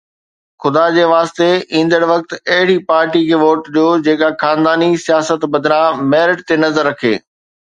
خدا جي واسطي، ايندڙ وقت اهڙي پارٽي کي ووٽ ڏيو، جيڪا خانداني سياست بدران ميرٽ تي نظر رکي